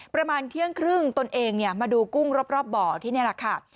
ประมาณเที่ยงครึ่งตนเองมาดูกุ้งรอบบ่อที่นี่แหละค่ะ